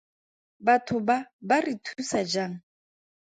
Batho ba ba re thusa jang?